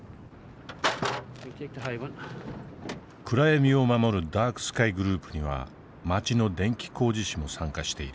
暗闇を守るダークスカイグループには町の電気工事士も参加している。